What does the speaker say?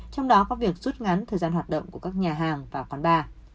trong đó có việc rút ngắn thời gian hoạt động của các nhà hàng và khoán ba